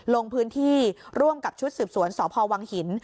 ลงพื้นที่ร่วมกับชุดสืบสวนสพวังหิน